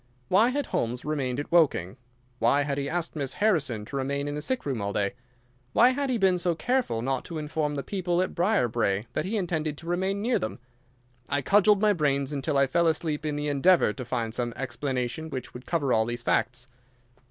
Why had Holmes remained at Woking? Why had he asked Miss Harrison to remain in the sick room all day? Why had he been so careful not to inform the people at Briarbrae that he intended to remain near them? I cudgelled my brains until I fell asleep in the endeavour to find some explanation which would cover all these facts.